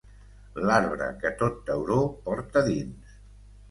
L'arbre que tot tauró porta dins.